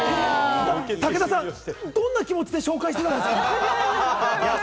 武田さん、どんな気持ちで紹介していたんですか！